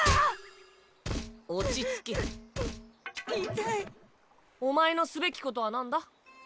ゴンゴン落ち着け痛いお前のすべきことはなんだ？